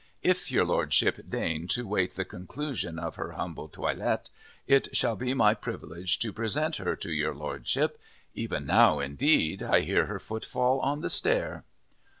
If your Lordship deign to await the conclusion of her humble toilet, it shall be my privilege to present her to your Lordship. Even now, indeed, I hear her footfall on the stair."